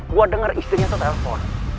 gue dengar istrinya tuh telpon